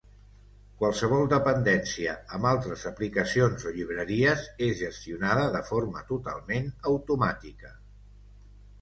Qualsevol dependència amb altres aplicacions o llibreries és gestionada de forma totalment automàtica.